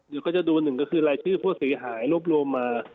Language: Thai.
ก็จะดูหนึ่งก็คือรายชื่อผู้เสียหายรวบรวมมา